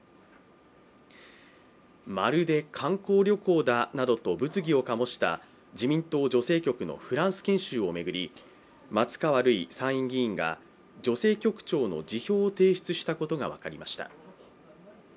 「まるで観光旅行だ」などと物議を醸した自民党女性局のフランス研修を巡り、松川るい参院議員が、女性局長の辞表を提出したことが分かりました。